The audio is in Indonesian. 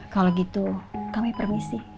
kalau gitu kami permisi